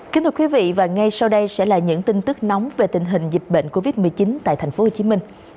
kính thưa quý vị và ngay sau đây sẽ là những tin tức nóng về tình hình dịch bệnh covid một mươi chín tại tp hcm